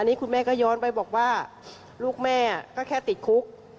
นี่คุณแม่ก็ย้อนไปบอกว่าลูกแม่ก็แค่ติดคุก